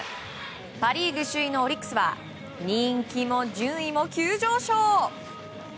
パ・リーグ首位のオリックスは人気も順位も急上昇！